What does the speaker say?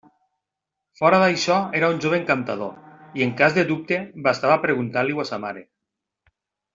Fora d'això, era un jove encantador; i en cas de dubte, bastava preguntar-li-ho a sa mare.